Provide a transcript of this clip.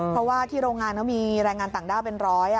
เพราะว่าที่โรงงานเขามีแรงงานต่างด้าวเป็นร้อย